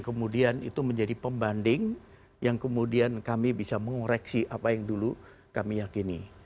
kemudian itu menjadi pembanding yang kemudian kami bisa mengoreksi apa yang dulu kami yakini